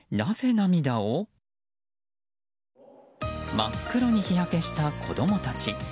真っ黒に日焼けした子供たち。